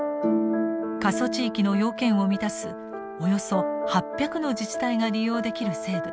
過疎地域の要件を満たすおよそ８００の自治体が利用できる制度です。